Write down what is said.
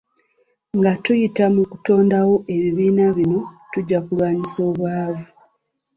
Nga tuyita mu kutondawo ebibiina bino tujja kulwanyisa obwavu.